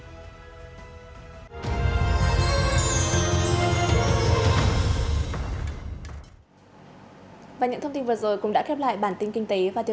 hiff đã trở thành một điểm tựa cho các nhà làm phim trẻ